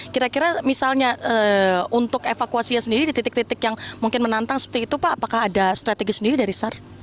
kira kira misalnya untuk evakuasinya sendiri di titik titik yang mungkin menantang seperti itu pak apakah ada strategi sendiri dari sar